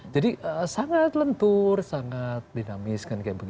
jadi sangat lentur sangat dinamis